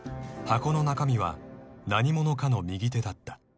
［箱の中身は何者かの右手だった］